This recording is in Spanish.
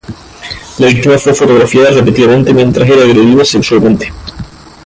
La víctima fue fotografiada repetidamente mientras era agredida sexualmente.